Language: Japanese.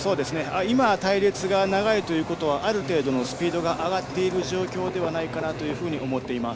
隊列が長いということはある程度のスピードがあがっている状況ではないかなと思っています。